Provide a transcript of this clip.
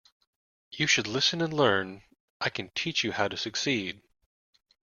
You should listen and learn; I can teach you how to succeed